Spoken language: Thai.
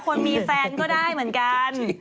คนมีแฟนก็ได้เหมือนกัน